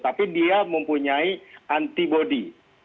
tapi dia mempunyai antibody